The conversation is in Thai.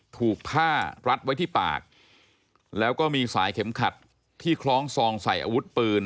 ถูกผ้ารัดไว้ที่ปากแล้วก็มีสายเข็มขัดที่คล้องซองใส่อาวุธปืน